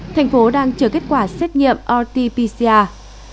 thành phố đang chờ kết quả xét nghiệm rt pcr